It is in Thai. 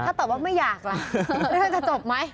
ถ้าตอบว่าไม่อยากล่ะเรื่องจะจบไหม